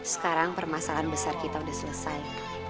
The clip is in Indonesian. sekarang permasalahan besar kita sudah selesai